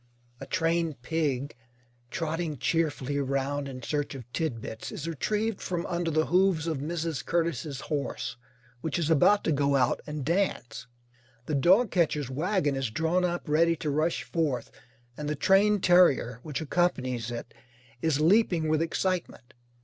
A trained pig, trotting cheerfully round in search of tidbits, is retrieved from under the hooves of Mrs. Curtis's horse, which is about to go out and dance. The dogcatcher's wagon is drawn up ready to rush forth, and the trained terrier which accompanies it is leaping with excitement.